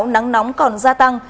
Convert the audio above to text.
nắng nóng còn gia tăng